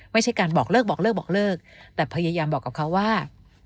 ไม่ใช่การบอกเลิกแต่พยายามบอกกับเขาว่า